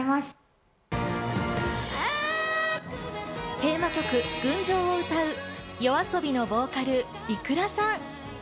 テーマ曲『群青』を歌うＹＯＡＳＯＢＩのボーカルｉｋｕｒａさん。